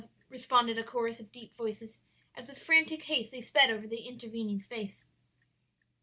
responded a chorus of deep voices, as with frantic haste they sped over the intervening space.